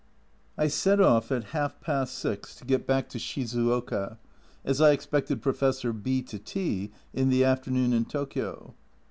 I set off at half past six to get back to Shizuoka, as I expected Professor B to tea in the afternoon in Tokio.